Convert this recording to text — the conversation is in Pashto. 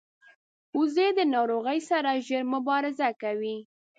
وزې د ناروغۍ سره ژر مبارزه کوي